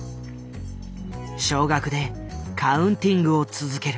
少額でカウンティングを続ける。